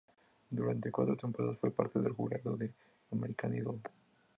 Durante cuatro temporadas fue parte del jurado de "American Idol".